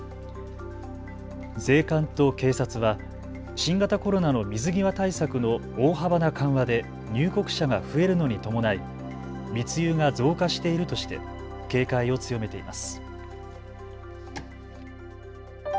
税関と警察は、新型コロナの水際対策の大幅な緩和で入国者が増えるのに伴い密輸が増加しているとして警戒を強めています。